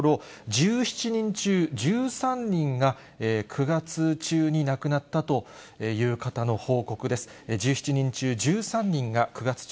１７人中１３人が９月中に亡くなったという方の報告です。